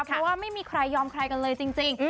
เพราะว่าไม่มีใครยอมใครกันเลยจริง